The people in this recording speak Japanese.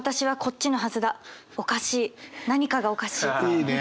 いいね。